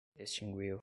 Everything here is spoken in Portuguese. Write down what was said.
extinguiu